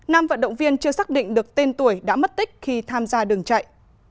nam vận động viên chưa xác định được tên tuổi đã mất tích khi tham gia đường chạy